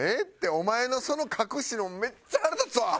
お前のその隠しのめっちゃ腹立つわ！